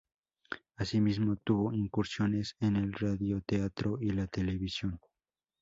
Asimismo tuvo incursiones en el radioteatro y la televisión.